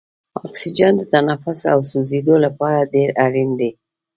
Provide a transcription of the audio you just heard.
اکسیجن د تنفس او سوځیدو لپاره ډیر اړین دی.